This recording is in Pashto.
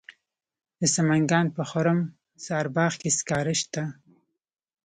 د سمنګان په خرم سارباغ کې سکاره شته.